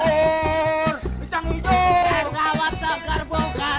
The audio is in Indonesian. burr canggih jauh asawat segar bukar